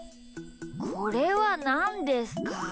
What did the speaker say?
これはなんですか？